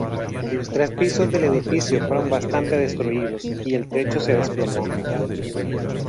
Los tres pisos del edificio fueron bastante destruidos y el techo se desplomó.